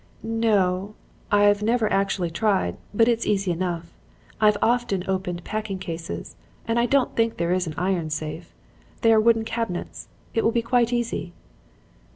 "'No, I've never actually tried, but it's easy enough. I've often opened packing cases. And I don't think there is an iron safe. They are wooden cabinets. It will be quite easy.'